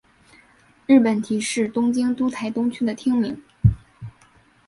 日本堤是东京都台东区的町名。